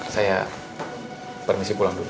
saya permisi pulang dulu